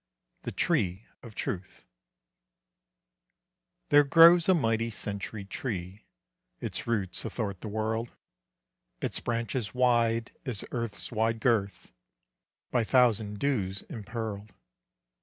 The Tree of Truth There grows a mighty centuried tree, Its roots athwart the world, Its branches wide as earth's wide girth By thousand dews impearled.